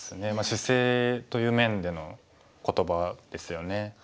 姿勢という面での言葉ですよね。